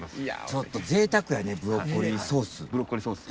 ちょっとぜいたくやねブロッコリーソース。